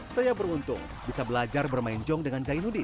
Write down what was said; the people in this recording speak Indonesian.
saya beruntung bisa belajar bermain jong dengan jainuddi